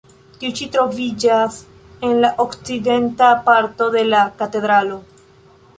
Tiu ĉi troviĝas en la okcidenta parto de la katedralo.